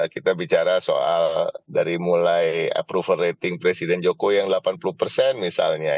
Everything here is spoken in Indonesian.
kita bicara soal dari mulai approval rating presiden jokowi yang delapan puluh persen misalnya